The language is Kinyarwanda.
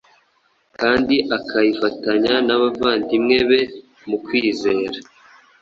kandi akifatanya n’abavandimwe be mu kwizera